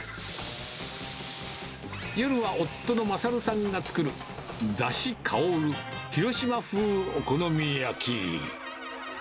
夜は夫の賢さんが作るだし香る広島風お好み焼き。